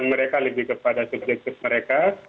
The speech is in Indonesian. mereka lebih kepada subjektif mereka